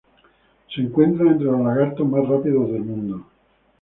Se encuentran entre los lagartos más rápidos del mundo.